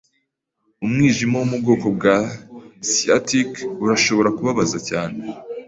Umwijima wo mu bwoko bwa sciatic urashobora kubabaza cyane.